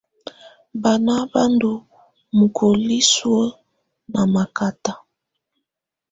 Bána bá ndɔ́ mukoli suǝ́ ná makata.